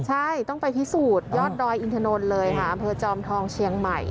ใช่ต้องไปที่สูตรยอดดอยอินทนนท์เลยครับบจอมทองเชียงใหม่